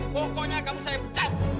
pokoknya kamu saya pecat